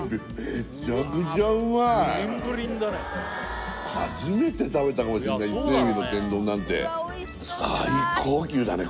めちゃくちゃうまい初めて食べたかもしれない伊勢海老の天丼なんて最高級だね